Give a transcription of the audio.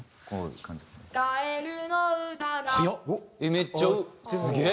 めっちゃすげえ！